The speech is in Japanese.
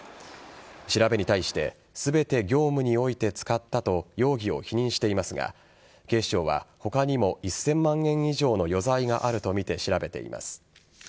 調べに対して全て業務において使ったと容疑を否認していますが警視庁は他にも１０００万円以上の余罪があるとみて調べています。